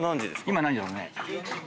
今何時だろうね。